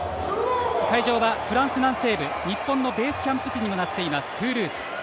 会場はフランス南西部日本のベースキャンプ地にもなっています、トゥールーズ。